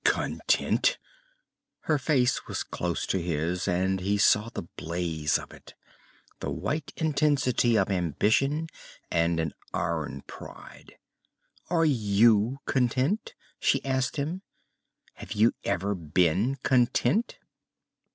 "Content!" Her face was close to his, and he saw the blaze of it, the white intensity of ambition and an iron pride. "Are you content?" she asked him. "Have you ever been content?"